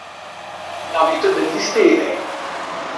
Navê te di lîsteyê de ye?